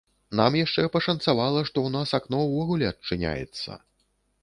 Нам яшчэ пашанцавала, што ў нас акно ўвогуле адчыняецца.